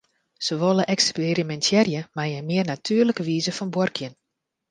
Se wolle eksperimintearje mei in mear natuerlike wize fan buorkjen.